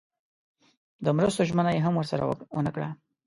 د مرستو ژمنه یې هم ورسره ونه کړه.